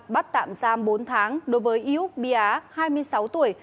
bắt tạm giam bốn tháng đối với yếu biá hai mươi sáu tuổi